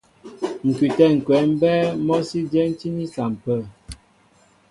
Ŋ̀kʉtɛ̌ ŋ̀kwɛ̌ mbɛ́ɛ́ mɔ́ sí dyɛ́tíní à sampə̂.